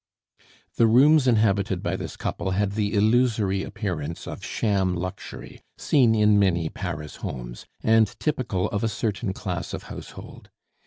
The rooms inhabited by this couple had the illusory appearance of sham luxury seen in many Paris homes, and typical of a certain class of household.